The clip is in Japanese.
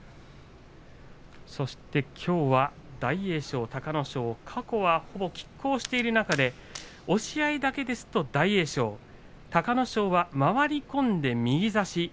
そして、きょうは大栄翔隆の勝過去はほぼきっ抗している中で押し合いだけですと大栄翔隆の勝は回り込んで右差し